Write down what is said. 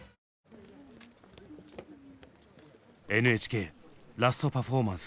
ＮＨＫラストパフォーマンス。